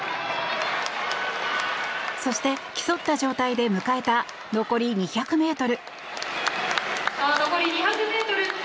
そして、競った状態で迎えた残り２００ｍ。